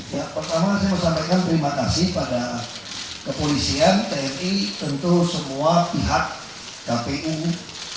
ya pertama saya mau sampaikan terima kasih pada kepolisian tni tentu semua pihak kpu